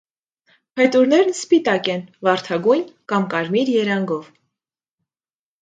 Փետուրներն սպիտակ են, վարդագույն կամ կարմիր երանգով։